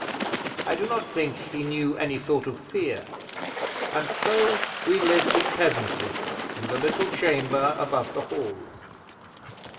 I do not think he knew any sort of fear. And so we lived at Pevensey, in the little chamber above the Hall.